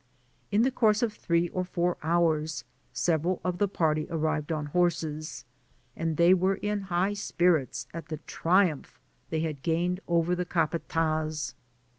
In the course of three or four hours, several of the party arrived on horses, and they were in high spirits at th^ triumph they had gained over the capata^.